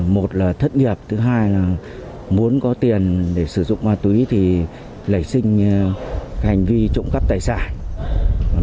một là thất nghiệp thứ hai là muốn có tiền để sử dụng ma túy thì lẩy sinh hành vi trộm cắp tài sản